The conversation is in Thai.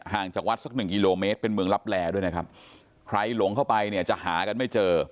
จากวัดสักหนึ่งกิโลเมตรเป็นเมืองลับแลด้วยนะครับใครหลงเข้าไปเนี่ยจะหากันไม่เจอ